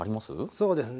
そうですね。